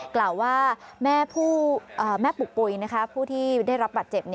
กล่าวว่าแม่ปุกปุ๋ยผู้ที่ได้รับบัตรเจ็บ